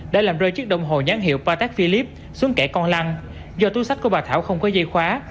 đã làm rơi chiếc đồng hồ nhãn hiệu patek philippe xuống kẻ con lăng do túi sách của bà thảo không có dây khóa